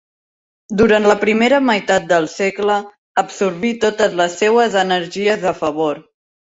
Durant la primera meitat del segle, absorbí totes les seues energies a favor.